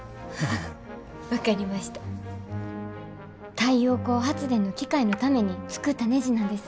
太陽光発電の機械のために作ったねじなんです。